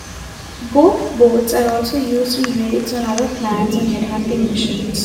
Gope boards are also used in raids on other clans and headhunting missions.